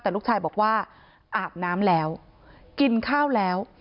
แต่ลูกชายบอกว่าอาบน้ำแล้วกินข้าวแล้ว